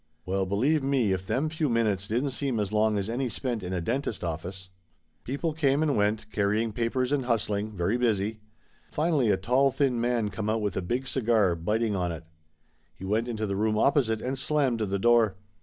Well, believe me, if them few minutes didn't seem as long as any spent in a dentist office! People came and went, carrying papers and hustling, very busy. Finally a tall thin man come out with a big cigar, biting on it. He went into the room opposite and slammed the door.